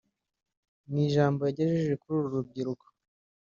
Mu ijambo yagejeje kuri uru rubyiruko